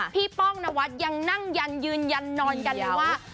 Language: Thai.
ป้องนวัดยังนั่งยันยืนยันนอนกันเลยว่า